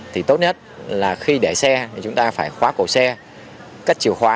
thì tốt nhất là khi để xe thì chúng ta phải khóa cổ xe